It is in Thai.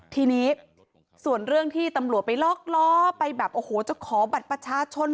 ทีนี้ส่วนเรื่องที่ตำรวจไปล็อกล้อไปแบบโอ้โหจะขอบัตรประชาชน